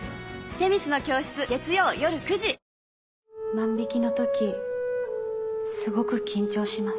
万引のときすごく緊張します。